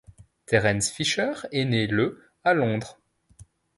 Terence Fisher est né le à Londres.